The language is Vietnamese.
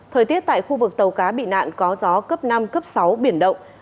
thời tiết tại khu vực tàu cá bị nạn có gió cấp năm cấp sáu biển động